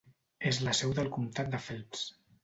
És la seu del comtat de Phelps.